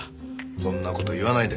そんな事言わないで。